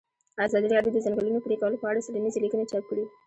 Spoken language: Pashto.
ازادي راډیو د د ځنګلونو پرېکول په اړه څېړنیزې لیکنې چاپ کړي.